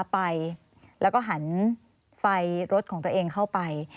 ไปแล้วก็หันไฟรถของตัวเองเข้าไป